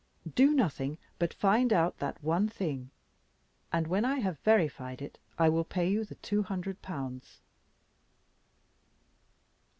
Do nothing, but find out that one thing, and when I have verified it, I will pay you the two hundred pounds."